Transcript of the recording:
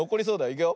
いくよ。